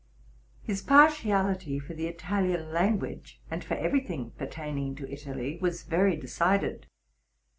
His partiality for the Italian language, and for every thing per taining to Italy, was very decided.